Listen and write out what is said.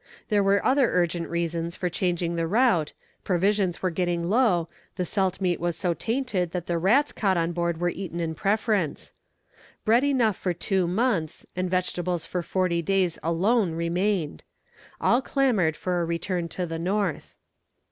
There were other urgent reasons for changing the route, provisions were getting low, the salt meat was so tainted, that the rats caught on board were eaten in preference. Bread enough for two months, and vegetables for forty days alone remained. All clamoured for a return to the north.